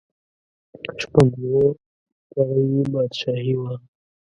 شپږ اووه پړۍ یې بادشاهي وه.